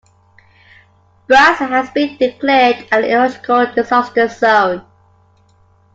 Bratsk has been declared an ecological disaster zone.